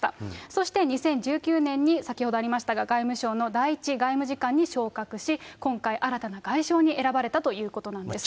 そして２０１９年に、先ほどありましたが、外務省の第１外務次官に昇格し、今回、新たな外相に選ばれたということなんです。